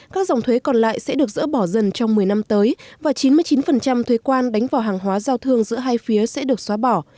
các dòng thuế còn lại sẽ được dỡ bỏ dần trong một mươi năm tới và chín mươi chín thuế quan đánh vào hàng hóa giao thương giữa hai phía sẽ được xóa bỏ